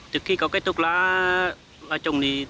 từ khi có cây thuốc lá trồng